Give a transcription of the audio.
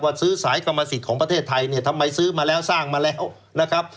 ซื้อสายกรรมสิทธิ์ของประเทศไทยเนี่ยทำไมซื้อมาแล้วสร้างมาแล้วนะครับ